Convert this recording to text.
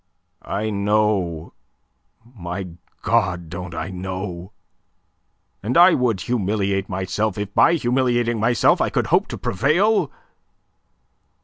"I know. My God, don't I know? And I would humiliate myself if by humiliating myself I could hope to prevail.